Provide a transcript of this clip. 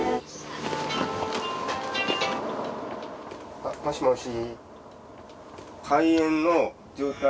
あっもしもし。